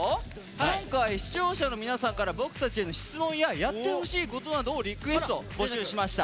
今回視聴者の皆さんから僕たちへの質問ややってほしいことなどをリクエスト募集しました。